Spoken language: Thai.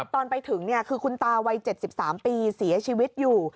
ตอนไปถึงคือคุณตาวัย๗๓ปีเสียชีวิตอยู่